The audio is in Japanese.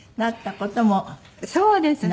そうですね。